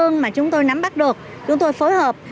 thông tin mà chúng tôi nắm bắt được chúng tôi phối hợp